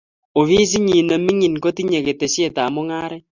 Ofisinyii ne mining kotinyei ketesietab mungaret